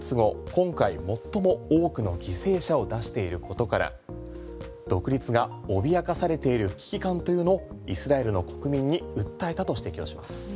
今回、最も多くの犠牲者を出していることから独立が脅かされている危機感というのをイスラエルの国民に訴えたと指摘をしています。